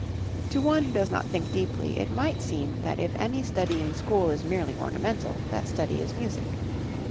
To one who does not think deeply, it might seem that if any study in school is merely ornamental, that study is music.